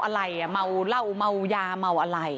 ช่วยเมาเล่าเมายามเมาอะไร